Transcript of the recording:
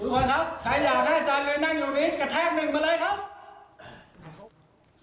ทุกคนครับใครอยากให้จานลื้อนั่งอยู่นี้กระแทกหนึ่งมาเลยครับ